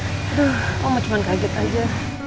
aduh mama cuman kaget aja